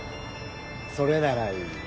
それならいい。